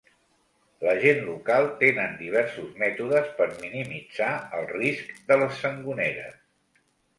La gent local tenen diversos mètodes per minimitzar el risc de les sangoneres.